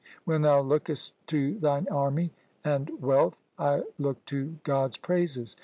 When thou lookest to thine army and wealth, I look to God's praises.